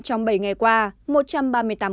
trong bảy ngày qua một trăm ba mươi tám người